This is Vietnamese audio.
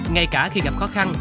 ngay cả khi gặp khó khăn